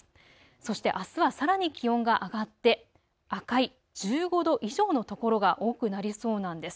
そしてあすはさらに気温が上がって赤い１５度以上の所が多くなりそうなんです。